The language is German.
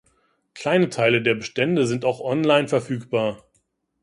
Kleine Teile der Bestände sind auch online verfügbar.